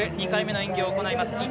２回目の演技を行います。